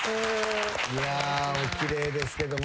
お奇麗ですけども。